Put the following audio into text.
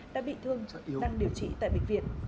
đã bị thương đang điều trị tại bệnh viện